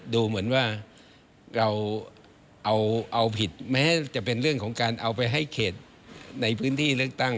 ดูเหมือนว่าเราเอาผิดแม้จะเป็นเรื่องของการเอาไปให้เขตในพื้นที่เลือกตั้ง